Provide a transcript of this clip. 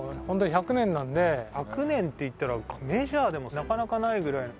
１００年っていったらメジャーでもなかなかないぐらい。